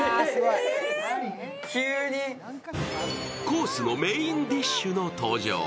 コースのメインディッシュの登場。